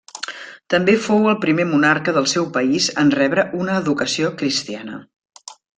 També fou el primer monarca del seu país en rebre una educació cristiana.